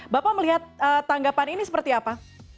bapak melihat tanggapan ini seperti apa